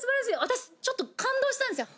私ちょっと感動したんですよ。